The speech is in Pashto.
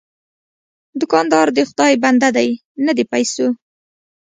دوکاندار د خدای بنده دی، نه د پیسو.